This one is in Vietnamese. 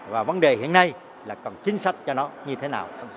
và vấn đề hiện nay là cần chính sách cho nó như thế nào